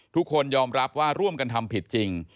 ทุกคนยอมรับว่าร่วมกันทำผิดจริง